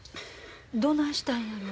どないしたんやろ。